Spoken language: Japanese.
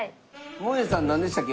もえさんなんでしたっけ？